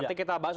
nanti kita bahas